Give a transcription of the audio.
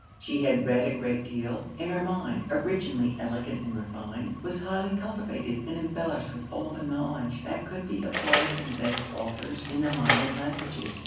She had read a great deal; and her mind, originally elegant and refined, was highly cultivated, and embellished with all the knowledge that could be acquired from the best authors in the modern languages.